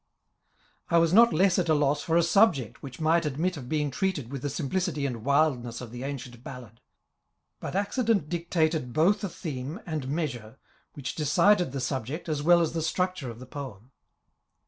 I was not less at a loss for a subject which might ad mit of being treated with the simplicity and wildness of the ancient ballad. But accident dictated both a theme and measure, which decided the subject, as well as the structure of the poem.